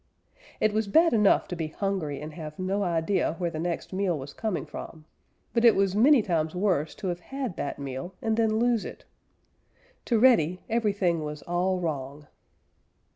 It was bad enough to be hungry and have no idea where the next meal was coming from, but it was many times worse to have had that meal and then lose it. To Reddy, everything was all wrong.